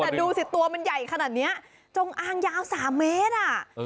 แต่ดูสิตัวมันใหญ่ขนาดนี้จงอางยาว๓เมตรอ่ะ